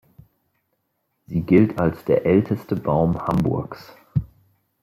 Sie gilt als der älteste Baum Hamburgs.